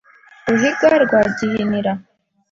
Ruhiga rwa Gihinira